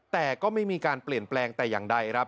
แต่ก็ไม่มีการเปลี่ยนแปลงแต่อย่างใดครับ